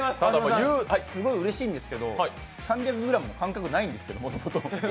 すごいうれしいんですけど、３００ｇの感覚ないんですけど、もともと。